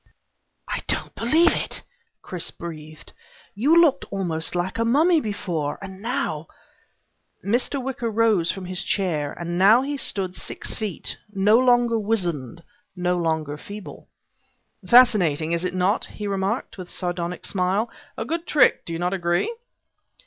"I don't believe it!" Chris breathed. "You looked almost like a mummy, before. And now " Mr. Wicker rose from his chair, and now he stood six feet, no longer wizened, no longer feeble. "Fascinating, is it not?" he remarked, with a sardonic smile. "A good trick, do you not agree?"